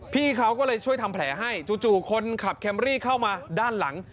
พี่เขาก็เลยช่วยทำแผลให้จู่คนขับแคมรี่เข้ามาด้านหลัง